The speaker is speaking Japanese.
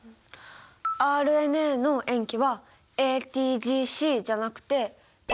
ＲＮＡの塩基は「ＡＴＧＣ」じゃなくて「ＡＵＧＣ」。